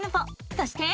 そして。